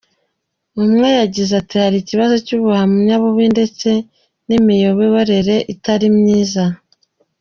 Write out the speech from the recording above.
Umwe yagize ati “Hari ikibazo cy’ubuhamya bubi ndetse n’imiyoborere itari myiza.